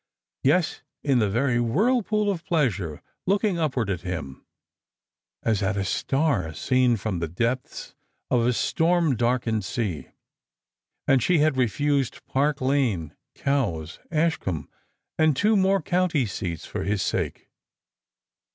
Yes, in the very whirlpool of pleasure looking upward at him, as at a star seen from the depths of a storm darkened sea. And she had refused Park lane, Cowee, Ashcombe, and two more country seats for his sake.